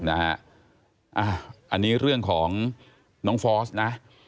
อันนี้เรื่องของน้องฟอสนะ